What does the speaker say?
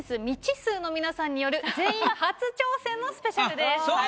未知数の皆さんによる全員初挑戦のスペシャルです。